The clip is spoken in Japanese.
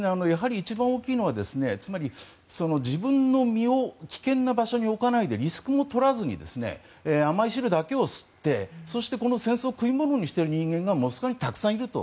一番大きいのは自分の身を危険な場所に置かないでリスクも取らずに甘い汁だけを吸ってこの戦争を食い物にしている人間がモスクワにたくさんいると。